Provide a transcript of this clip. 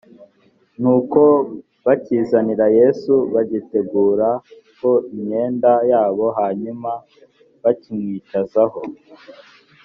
nuko bakizanira yesu bagiteguraho imyenda yabo hanyuma bakimwicazaho